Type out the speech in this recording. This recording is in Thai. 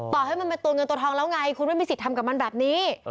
ต่อให้มันเป็นตัวเงินตัวทองแล้วไงคุณไม่มีสิทธิ์ทำกับมันแบบนี้